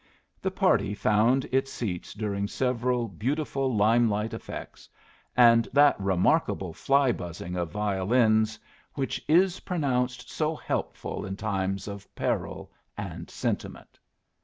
The party found its seats during several beautiful lime light effects, and that remarkable fly buzzing of violins which is pronounced so helpful in times of peril and sentiment.